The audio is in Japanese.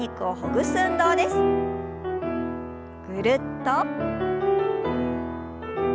ぐるっと。